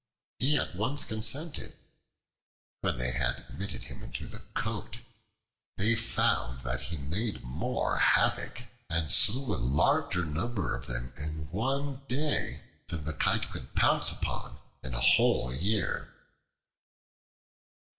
He at once consented. When they had admitted him into the cote, they found that he made more havoc and slew a larger number of them in one day than the Kite could pounce upon in a whole year.